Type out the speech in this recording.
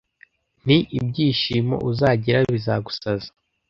nti ibyishimo uzagira bizagusaza